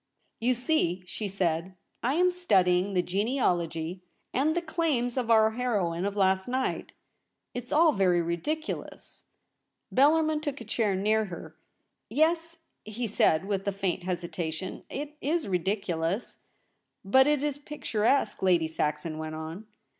' You see,' she said, ' I am studying the genealogy and the claims of our heroine of last night. It's all very ridiculous.' Bellarmin took a chair near her. ' Yes,' be said, with a faint hesitation, ' it is ridicu lous.' ' But it is picturesque,' Lady Saxon went on.